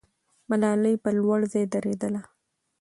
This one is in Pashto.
ملالۍ په لوړ ځای درېدله.